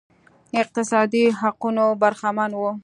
اقتصادي حقونو برخمن وو